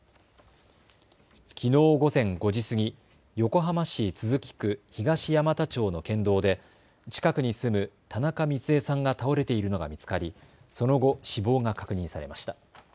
きのう午前５時過ぎ、横浜市都筑区東山田町の県道で近くに住む田中ミツエさんが倒れているのが見つかりその後死亡が確認されました。